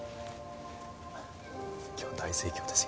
今日は大盛況ですよ。